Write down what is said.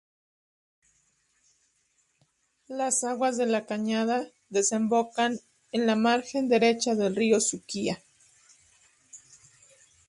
Las aguas de La Cañada desembocan en la margen derecha del Río Suquía.